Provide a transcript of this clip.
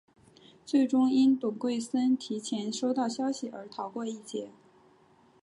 最终因董桂森提前收到消息而逃过一劫。